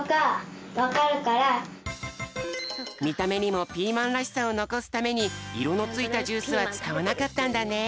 みためにもピーマンらしさをのこすためにいろのついたジュースはつかわなかったんだね。